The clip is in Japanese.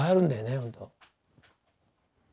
ほんと。